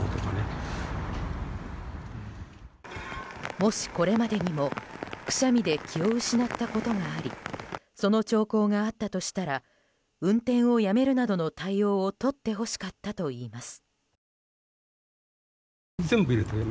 もし、これまでにもくしゃみで気を失ったことがありその兆候があったとしたら運転をやめるなどの対応をとってほしかったといいます。